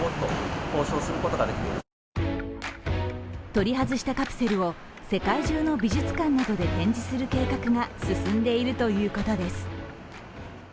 取り外したカプセルを世界中の美術館などで展示する計画が進んでいるということです。